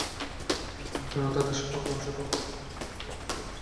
শ্রোতাদের সৌভাগ্য খেয়াল গাইয়ে পণ্ডিত প্রসেনজিৎ দেওঘরীয়ার খেয়াল শুনতে পাওয়া নিঃসন্দেহে।